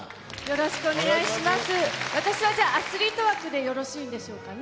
よろしくお願いします。